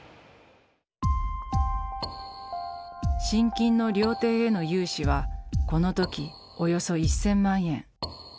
信金の料亭への融資はこの時およそ１，０００万円。